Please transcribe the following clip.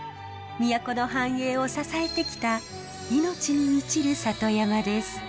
都の繁栄を支えてきた命に満ちる里山です。